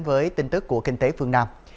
với tin tức của kinh tế phương nam